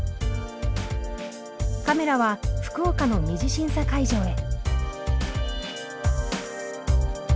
カメラは福岡の２次審査会場へ。